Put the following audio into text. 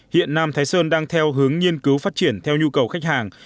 hiện nam thái sơn đang theo hướng nghiên cứu phát triển theo nhu cầu khách hàng